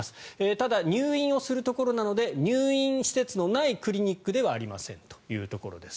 ただ、入院をするところなので入院施設のないクリニックではありませんというところです。